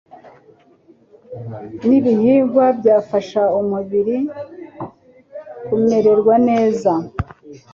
n'ibihingwa byafasha umubiri kumererwa neza.